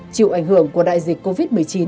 chịu ảnh hưởng của đại dịch covid một mươi chín